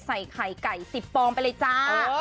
ใส่ไข่ไก่๑๐ฟองไปเลยจ้า